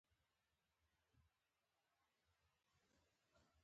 تایمنى د سلطان غیاث الدین معاصر وو.